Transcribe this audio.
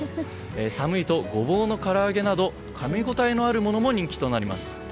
寒いと、ゴボウのから揚げなどかみ応えのあるものも人気となります。